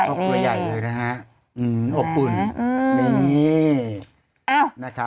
ครอบครัวใหญ่เลยนะคะ